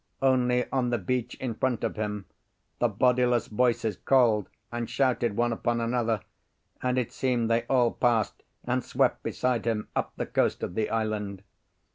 Only, on the beach in front of him, the bodiless voices called and shouted one upon another, and it seemed they all passed and swept beside him up the coast of the island.